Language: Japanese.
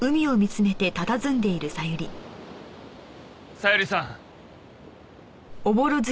小百合さん。